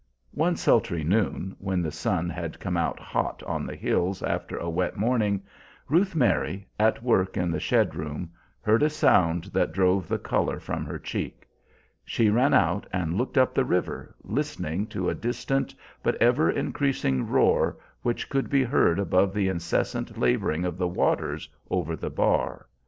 One sultry noon, when the sun had come out hot on the hills after a wet morning, Ruth Mary, at work in the shed room, heard a sound that drove the color from her cheek. She ran out and looked up the river, listening to a distant but ever increasing roar which could be heard above the incessant laboring of the waters over the bar.